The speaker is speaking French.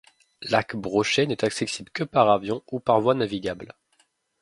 Lac Brochet n'est accessible que par avion ou par voies navigables.